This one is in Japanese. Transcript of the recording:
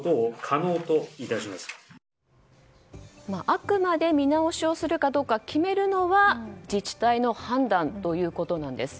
あくまで見直しをするかどうか決めるのは自治体の判断ということなんです。